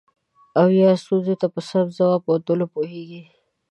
او یا ستونزې ته په سم ځواب موندلو پوهیږي.